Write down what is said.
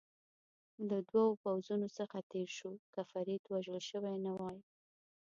له دوو پوځونو څخه تېر شو، که فرید وژل شوی نه وای.